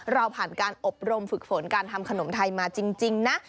เราผ่านการอบรมฝึกฝนการทำขนมไทยมาจริงนะ